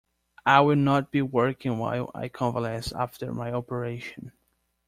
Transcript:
I will not be working while I convalesce after my operation.